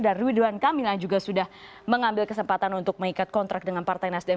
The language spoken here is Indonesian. dan ridwan kamil yang juga sudah mengambil kesempatan untuk mengikat kontrak dengan partai nasdem